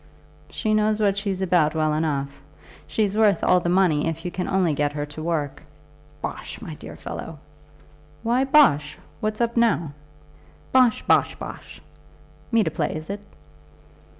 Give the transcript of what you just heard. "She knows what she's about well enough. She's worth all the money if you can only get her to work." "Bosh, my dear fellow." "Why bosh? What's up now?" "Bosh! Bosh! Bosh! Me to play, is it?"